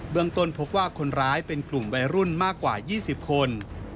เมืองต้นพบว่าคนร้ายเป็นกลุ่มวัยรุ่นมากกว่า๒๐คน